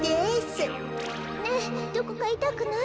ねえどこかいたくない？